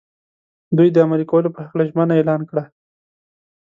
دوی د عملي کولو په هکله ژمنه اعلان کړه.